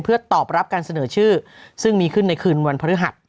เพื่อตอบรับการเสนอชื่อซึ่งมีขึ้นในคืนวันพฤหัส